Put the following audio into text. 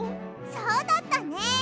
そうだったね。